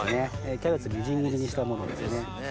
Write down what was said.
キャベツみじん切りにしたものですね。